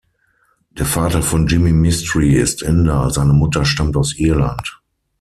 Der Vater von Jimi Mistry ist Inder, seine Mutter stammt aus Irland.